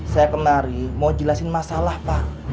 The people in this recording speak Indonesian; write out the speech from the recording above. saya kemari mau jelasin masalah pak